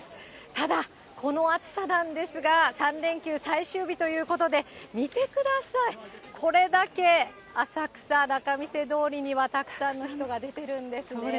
ただ、この暑さなんですが、３連休最終日ということで、見てください、これだけ浅草仲見世通りには、たくさんの人が出てるんですね。